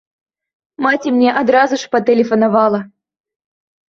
Маці мне адразу ж патэлефанавала!